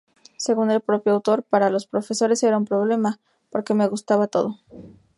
Según el propio autor "Para los profesores era un problema, porque me gustaba todo.